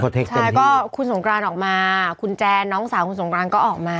ใช่ก็คุณสงกรานออกมาคุณแจนน้องสาวคุณสงกรานก็ออกมา